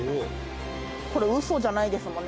「これ嘘じゃないですもんね？」